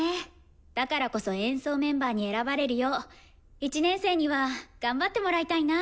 だからこそ演奏メンバーに選ばれるよう１年生には頑張ってもらいたいな。